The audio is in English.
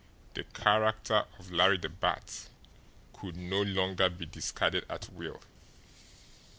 The character of Larry the Bat could no longer be discarded at will.